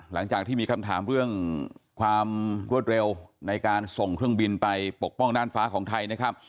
หลังจากที่มีคำถามเรื่องความรวดเร็วในการส่งเครื่องบินไปปกป้องด้านฟ้าของไทยนะครับ